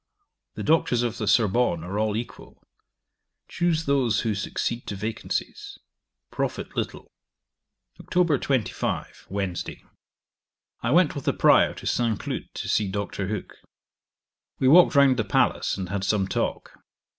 The Doctors of the Sorbonne are all equal: choose those who succeed to vacancies. Profit little. 'Oct. 25. Wednesday. I went with the Prior to St. Cloud, to see Dr. Hooke. We walked round the palace, and had some talk.